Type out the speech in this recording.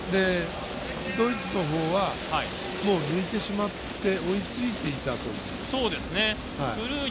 ドイツは抜いてしまって追いついていたのかな？